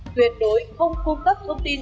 tuyệt đối không cung cấp thông tin